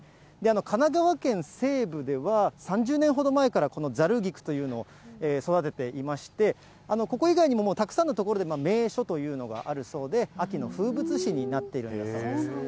神奈川県西部では、３０年ほど前から、このざる菊というのを育てていまして、ここ以外にももうたくさんの所で名所というのがあるそうで、秋の風物詩になっているんだそうです。